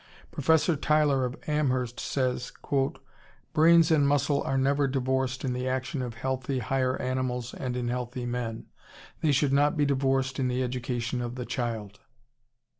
Professor Tyler of Amherst says, "Brain and muscle are never divorced in the action of healthy higher animals and in healthy men. They should not be divorced in the education of the child."...